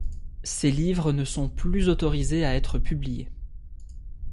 Ses livres ne sont plus autorisés à être publiés.